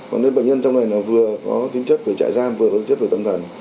còn nếu bệnh nhân trong này vừa có tính chất về trại gian vừa có tính chất về tâm thần